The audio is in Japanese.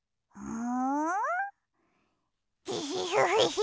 ん？